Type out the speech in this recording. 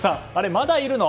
まだいるの？